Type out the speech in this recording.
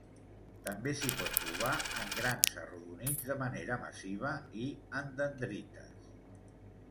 També s'hi pot trobar en grans arrodonits, de manera massiva i en dendrites.